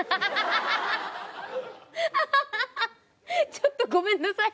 ちょっとごめんなさい。